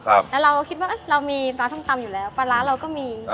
แล้วเราก็คิดว่าเรามีปลาส้มตำอยู่แล้วปลาร้าเราก็มี